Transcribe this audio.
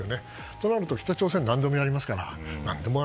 となると北朝鮮は何でもやりますから。